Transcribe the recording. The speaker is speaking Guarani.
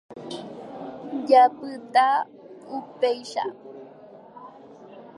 Japyta upéicha.